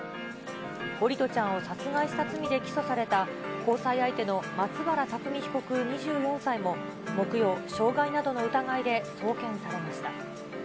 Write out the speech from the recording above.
桜利斗ちゃんを殺害した罪で交際相手の松原拓海被告２４歳も木曜、傷害などの疑いで送検されました。